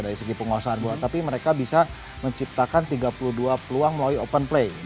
dari segi penguasaan buat tapi mereka bisa menciptakan tiga puluh dua peluang melalui open play